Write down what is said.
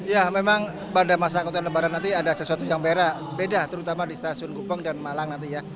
ya memang pada masa angkutan lebaran nanti ada sesuatu yang beda terutama di stasiun gupeng dan malang nanti ya